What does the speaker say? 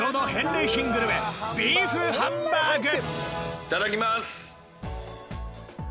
いただきます。